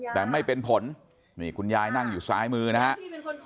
แต่ไม่เป็นผลนี่คุณยายนั่งอยู่ซ้ายมือนะครับ